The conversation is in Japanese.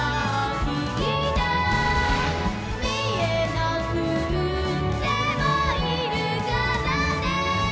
「みえなくってもいるからね」